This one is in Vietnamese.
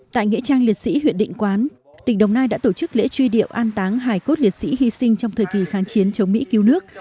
tại nghĩa trang liệt sĩ huyện định quán tỉnh đồng nai đã tổ chức lễ truy điệu an táng hải cốt liệt sĩ hy sinh trong thời kỳ kháng chiến chống mỹ cứu nước